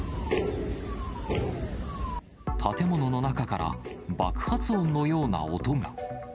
建物の中から、爆発音のような音が。